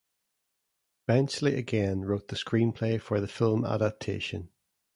Benchley again wrote the screenplay for the film adaptation.